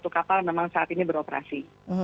empat puluh satu kapal yang memang saat ini beroperasi